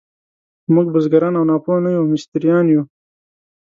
موږ بزګران او ناپوه نه یو، مستریان یو.